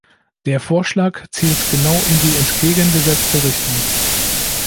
Der Vorschlag zielt genau in die entgegengesetzte Richtung.